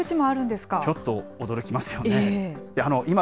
ちょっと驚きますよね。